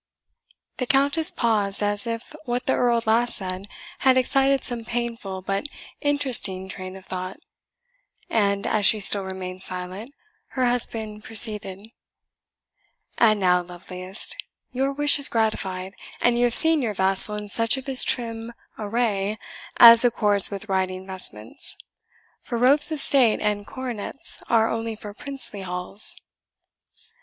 The Countess paused, as if what the Earl last said had excited some painful but interesting train of thought; and, as she still remained silent, her husband proceeded: "And now, loveliest, your wish is gratified, and you have seen your vassal in such of his trim array as accords with riding vestments; for robes of state and coronets are only for princely halls."